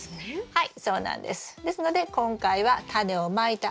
はい。